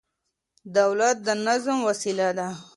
دولت د نظم وسيله ده.